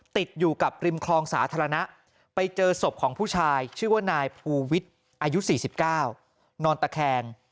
ติดอยู่กับริมคลองสาธารณะไปเจอศพของผู้ชายชื่อว่านายภูวิทย์อายุ๔๙นอนตะแคง